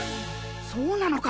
そうなのか！？